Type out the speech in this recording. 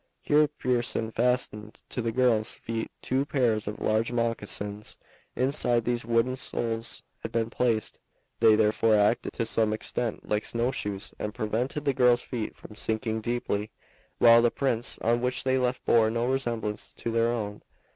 Here Pearson fastened to the girls' feet two pairs of large moccasins; inside these wooden soles had been placed. They therefore acted to some extent like snowshoes and prevented the girls' feet from sinking deeply, while the prints which they left bore no resemblance to their own.